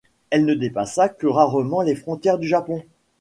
Elle ne dépassa que rarement les frontières du Japon.